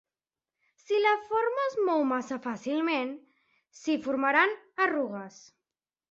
Si la forma es mou massa fàcilment, s'hi formaran arrugues.